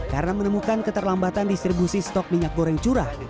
karena menemukan keterlambatan distribusi stok minyak goreng curah